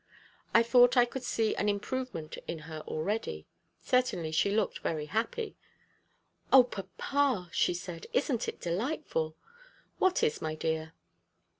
I thought I could see an improvement in her already. Certainly she looked very happy. "O, papa!" she said, "isn't it delightful?" "What is, my dear?"